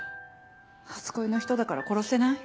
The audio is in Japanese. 初恋の人だから殺せない？